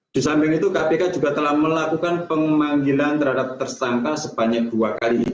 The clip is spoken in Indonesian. di samping itu kpk juga telah melakukan pemanggilan terhadap tersangka sebanyak dua kali